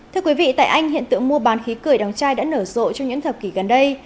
thưa quý vị tại anh hiện tượng mua bán khí cười đắng chai đã nở rộ trong những thập kỷ gần đây